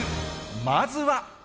まずは。